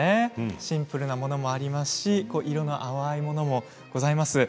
シンプルなものもありますし色の淡いものもございます。